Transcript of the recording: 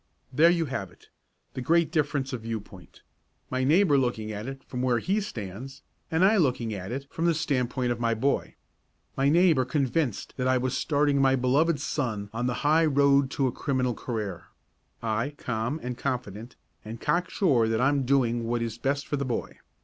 There you have it the great difference of viewpoint: my neighbour looking at it from where he stands and I looking at it from the standpoint of my boy. My neighbour convinced that I was starting my beloved son on the highroad to a criminal career; I calm and confident, and cocksure that I am doing what is best for the boy.